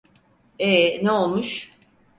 Ee, ne olmuş?